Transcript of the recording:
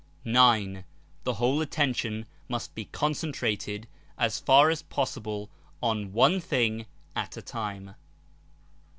9. The whole attention must be concentrated as far as possible on one thing at a time.